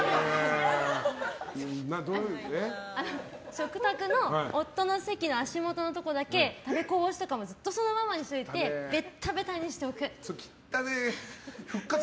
食卓の夫の席の足元のところだけ食べこぼしとかもずっとそのままにしておいてベッタベタにしておく。